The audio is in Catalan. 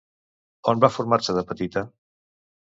On va formar-se de petita?